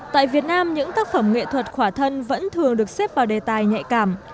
tại việt nam những tác phẩm nghệ thuật khỏa thân vẫn thường được xếp vào đề tài nhạy cảm